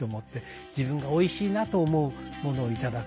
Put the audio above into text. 自分がおいしいなと思うものを頂く。